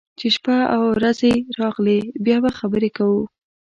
چې شپه او رځې راغلې، بیا به خبرې کوو.